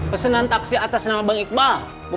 pesanan taksi atas nama bang iqbal